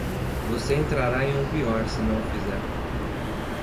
Você entrará em um pior se não o fizer.